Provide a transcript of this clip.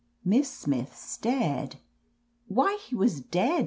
Miss Smith stared. "Why, he was dead.